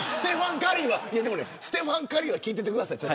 ステファン・カリーは聞いていてください。